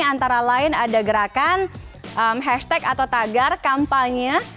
antara lain ada gerakan hashtag atau tagar kampanye